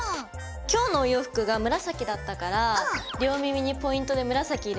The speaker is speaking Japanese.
今日のお洋服が紫だったから両耳にポイントで紫入れてみた。